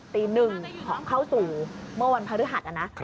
ตี๑เข้าสู่เมื่อวันพฤหัสนะ